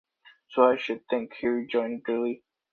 ‘So I should think,’ he rejoined drily.